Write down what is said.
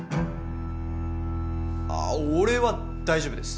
ああ俺は大丈夫です。